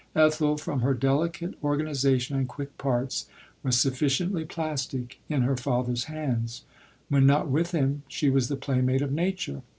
Ethel, from her delicate organization and quick parts., was sufficiently plastic in her father's bands. When not with him, she was the playmate of nature.